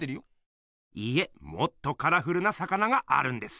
いいえもっとカラフルな魚があるんです。